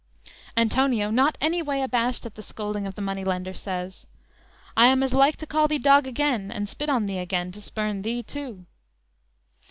"_ Antonio, not any way abashed at the scolding of the money lender, says: _"I am as like to call thee dog again, And spit on thee again, to spurn thee, too!"